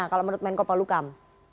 kalau menurut menko palukam